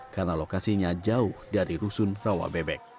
karena lokasinya jauh dari rusun rawabebek